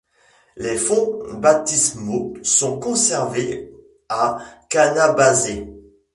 Les fonts baptismaux sont conservés à Canabazès.